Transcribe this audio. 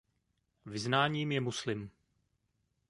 Vyznáním je muslim.